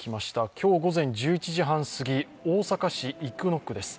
今日午前１１時半過ぎ、大阪市生野区です。